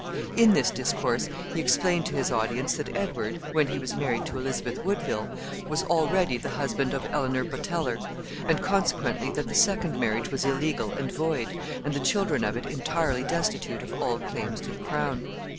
In this discourse he explained to his audience that Edward, when he was married to Elizabeth Woodville, was already the husband of Elinor Boteler, and consequently that the second marriage was illegal and void, and the children of it entirely destitute of all claims to the crown.